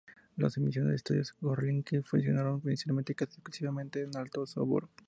Las emisiones de los estudios de Görlitz funcionaron inicialmente casi exclusivamente en alto sorabo.